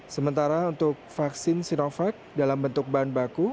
sementara untuk vaksin sinovac dalam bentuk bahan baku